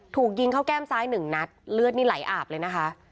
ถูกยิงเข้าแก้มซ้ายหนึ่งนัดเลือดนี่ไหลอาบเลยนะคะ